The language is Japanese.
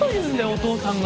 お父さんが。